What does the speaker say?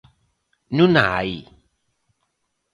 Non a hai.